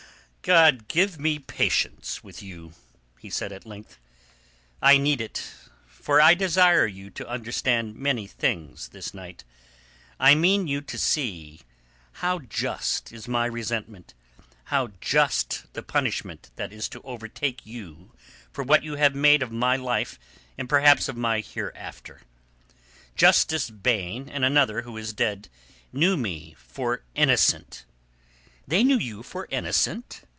"God give me patience with you!" he said at length. "I need it. For I desire you to understand many things this night. I mean you to see how just is my resentment; how just the punishment that is to overtake you for what you have made of my life and perhaps of my hereafter. Justice Baine and another who is dead, knew me for innocent." "They knew you for innocent?"